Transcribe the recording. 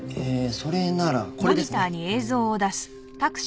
それならこれですね。